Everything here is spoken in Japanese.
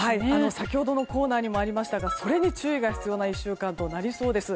先ほどのコーナーにもありましたがそれに注意が必要な１週間となりそうです。